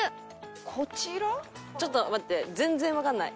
ちょっと待って全然わかんない。